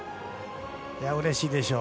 うれしいでしょう。